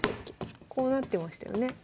こうなってましたよね。